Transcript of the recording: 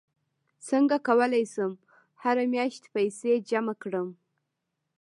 څنګه کولی شم هره میاشت پیسې جمع کړم